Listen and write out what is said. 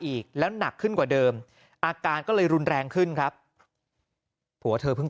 อีกแล้วหนักขึ้นกว่าเดิมอาการก็เลยรุนแรงขึ้นครับผัวเธอเพิ่ง